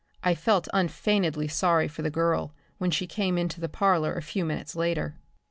I felt unfeignedly sorry for the girl when she came into the parlor a few minutes later.